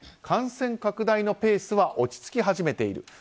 感染拡大のペースは落ち着き始めている。